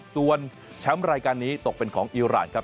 ส่วนแชมป์รายการนี้ตกเป็นของอีรานครับ